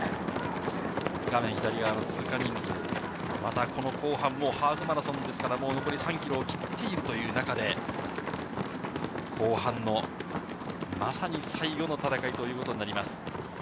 画面左側の通過人数、また後半もハーフマラソンですから、残り３ｋｍを切っているという中で、後半のまさに最後の戦いということになります。